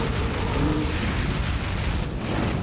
Anwa i k-tt-igan?